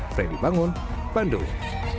fredy bangun bandung